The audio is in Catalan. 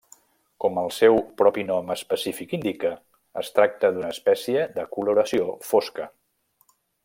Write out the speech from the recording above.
Com el seu propi nom específic indica, es tracta d'una espècie de coloració fosca.